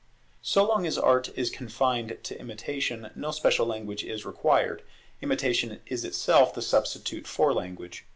So long as Art is confined to Imitation, no special language is required; imitation is itself the substitute for language.